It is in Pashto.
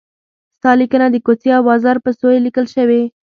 ستا لیکنه د کوڅې او بازار په سویې لیکل شوې.